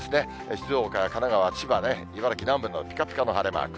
静岡、神奈川、千葉ね、茨城南部もぴかぴかの晴れマーク。